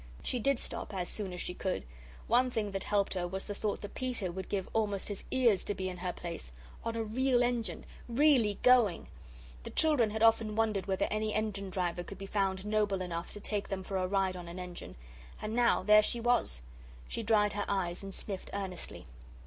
She did stop, as soon as she could. One thing that helped her was the thought that Peter would give almost his ears to be in her place on a real engine really going. The children had often wondered whether any engine driver could be found noble enough to take them for a ride on an engine and now there she was. She dried her eyes and sniffed earnestly.